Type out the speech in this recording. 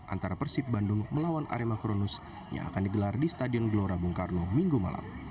antara persib bandung melawan arema kronus yang akan digelar di stadion gelora bung karno minggu malam